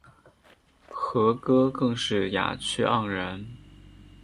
和歌更是雅趣盎然。